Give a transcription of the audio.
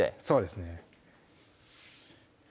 そうですね